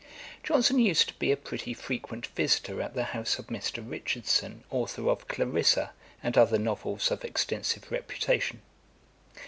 ] Johnson used to be a pretty frequent visitor at the house of Mr. Richardson, authour of Clarissa, and other novels of extensive reputation.